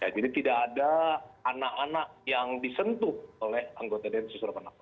jadi tidak ada anak anak yang disentuh oleh anggota densus delapan puluh delapan